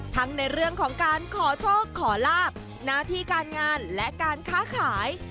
ทั้งในเรื่องของการขอโชคขอลาบหน้าที่การงานและการค้าขาย